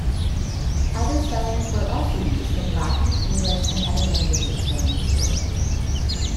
Other spellings were also used in Latin, English and other languages during this period.